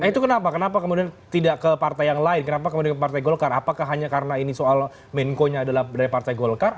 nah itu kenapa kenapa kemudian tidak ke partai yang lain kenapa kemudian ke partai golkar apakah hanya karena ini soal menko nya adalah dari partai golkar